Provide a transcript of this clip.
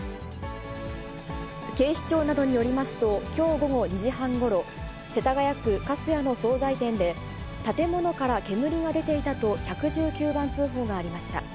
警視庁などによりますと、きょう午後２時半ごろ、世田谷区粕谷の総菜店で、建物から煙が出ていたと、１１９番通報がありました。